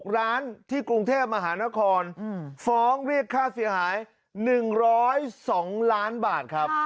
ร้านที่กรุงเทพมหานครฟ้องเรียกค่าเสียหาย๑๐๒ล้านบาทครับ